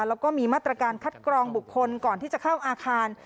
แล้วก็มีมาตรการคัดกรองบุคคลก่อนที่จะเข้าอาคาร